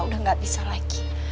udah gak bisa lagi